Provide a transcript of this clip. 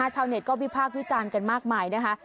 ชาวเน็ตก็วิพากษ์วิจารณ์กันมากมายนะคะ